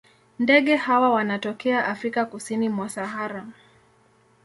Ndege hawa wanatokea Afrika kusini mwa Sahara.